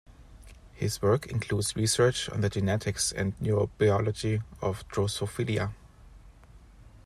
His work includes research on the genetics and neurobiology of Drosophila.